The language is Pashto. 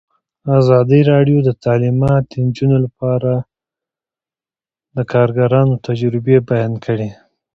ازادي راډیو د تعلیمات د نجونو لپاره په اړه د کارګرانو تجربې بیان کړي.